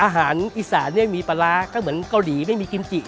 อาหารอีสานเนี่ยมีปลาร้าก็เหมือนเกาหลีไม่มีกิมจิ